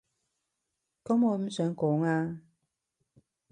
噉我唔想講啊